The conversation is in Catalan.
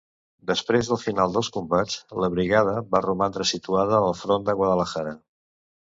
Després del final dels combats la brigada va romandre situada al front de Guadalajara.